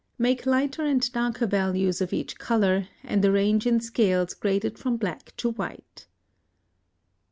Make lighter and darker values of each color, and arrange in scales graded from black to white.